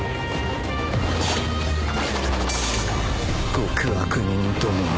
「極悪人どもめが」